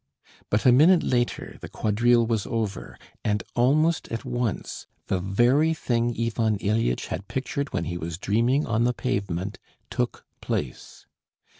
But a minute later the quadrille was over, and almost at once the very thing Ivan Ilyitch had pictured when he was dreaming on the pavement took place.